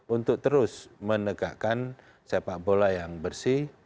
untuk terus menegakkan sepak bola yang bersih